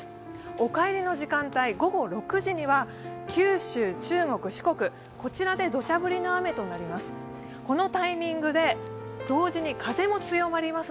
お帰りの時間帯、午後６時には九州、中国、四国、こちらでどしゃ降りの雨となります。